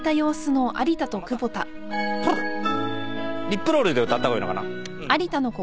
リップロールで歌った方がいいのかな。